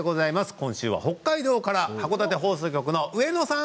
今週は北海道から函館放送局の上野さん。